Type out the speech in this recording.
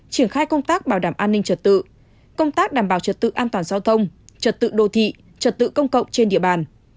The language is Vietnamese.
triển khai công tác bảo đảm an ninh trật tự công tác đảm bảo trật tự an toàn giao thông trật tự đô thị trật tự công cộng trên địa bàn